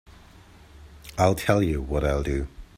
I'll tell you what I'll do.